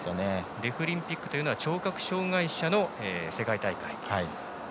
デフリンピックというのは聴覚障がい者の世界大会。